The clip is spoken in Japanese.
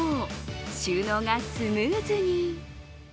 収納がスムーズに。